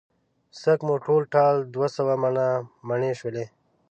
سږ مو ټول ټال دوه سوه منه مڼې شولې.